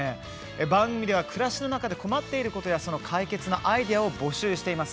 番組では暮らしの中で困っていることやその解決のアイデアを募集しています。